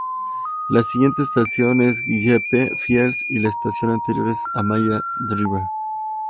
La siguiente estación es Gillespie field y la estación anterior es Amaya Drive.